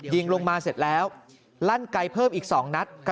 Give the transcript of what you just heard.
ยิงลงมาเสร็จแล้วลั่นไกลเพิ่มอีก๒นัด